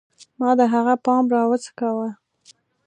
ما د هغه پام راوڅکاوه